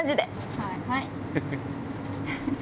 はいはい。